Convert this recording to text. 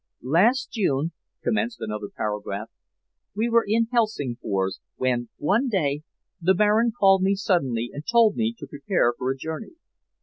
"Last June," commenced another paragraph, "we were in Helsingfors, when one day the Baron called me suddenly and told me to prepare for a journey.